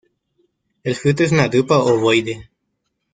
El fruto es una drupa ovoide.